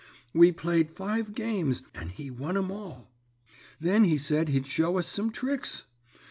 We played five games, and he won 'em all. Then he said he'd show us some tricks.